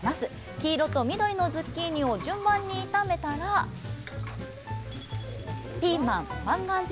黄色と緑のズッキーニを順番に炒めたらピーマン万願寺